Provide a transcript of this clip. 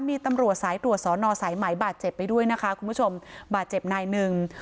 มีตำรวจสายตรวจสอนอสายไหมบาดเจ็บไปด้วยนะคะคุณผู้ชมบาดเจ็บนายหนึ่ง